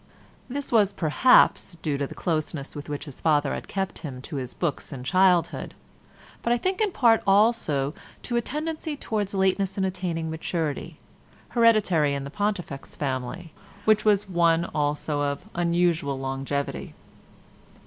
This was perhaps due to the closeness with which his father had kept him to his books in childhood, but I think in part also to a tendency towards lateness in attaining maturity, hereditary in the Pontifex family, which was one also of unusual longevity.